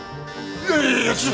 いやいや。